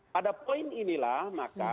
pada poin inilah maka